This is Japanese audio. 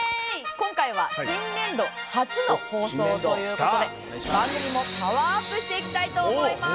今回は新年度初の放送という事で番組もパワーアップしていきたいと思います。